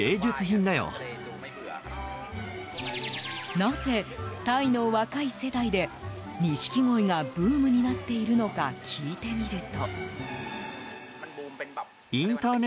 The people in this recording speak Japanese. なぜ、タイの若い世代でニシキゴイがブームになっているのか聞いてみると。